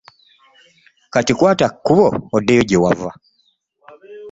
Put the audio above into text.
Kati kwata ekkubo oddeyo gye wava.